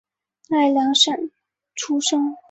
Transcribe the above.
奈良县出身。